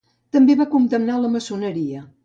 També va condemnar la maçoneria.